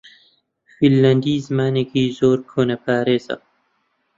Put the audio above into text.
فینلاندی زمانێکی زۆر کۆنەپارێزە.